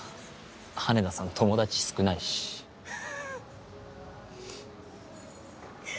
羽田さん友達少ないしフフ